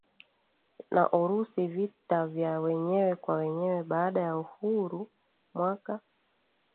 na Urusi Vita vya wenyewe kwa wenyewe Baada ya uhuru mwaka